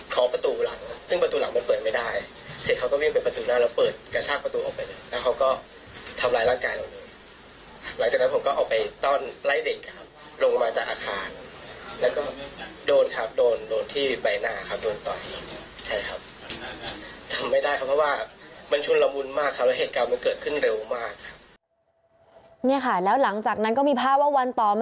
ขอประตูหลังเพิ่งประตูหลังมันเปิดไม่ได้เสร็จเขาก็วิ่งไปประตูหน้าแล้วเปิดกระชากประตูออกไปแล้วเขาก็ทำร้ายร่างกายเราเลยหลังจากนั้นผมก็ออกไปต้อนไล่เด็กลงมาจากอาคารแล้วก็โดนครับโดนที่ใบหน้าครับโดนต่ออย่างนี้ใช่ครับทำไม่ได้ครับเพราะว่ามันชุนละมุนมากครับแล้วเหตุกรรมมันเกิดขึ้นเร็วมากครับนี่ค่ะ